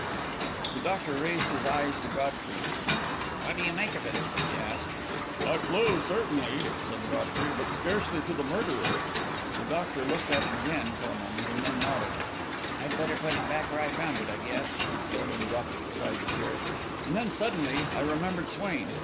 The doctor raised his eyes to Godfrey's. "What do you make of it?" he asked. "A clue, certainly," said Godfrey; "but scarcely to the murderer." The doctor looked at it again for a moment, and then nodded. "I'd better put it back where I found it, I guess," he said, and dropped it beside the chair. And then, suddenly, I remembered Swain.